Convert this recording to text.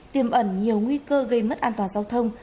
tiêm ẩn nhiều nguy cơ gây mất an toàn giao thông